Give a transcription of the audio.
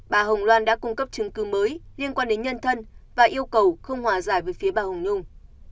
bà hồng loan đã cung cấp chứng cứ mới liên quan đến nhân thân và yêu cầu không hòa giải với phía bà hồng nhung